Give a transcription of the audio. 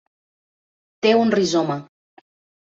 Té un rizoma.